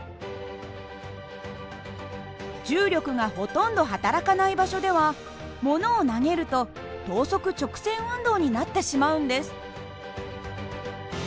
重力がほとんどはたらかない場所ではものを投げると等速直線運動になってしまうんです。